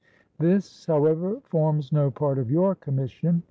"This, however, forms no part of your commission.